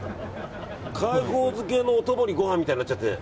海宝漬のお供にご飯みたいになっちゃって。